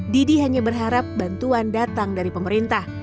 didi hanya berharap bantuan datang dari pemerintah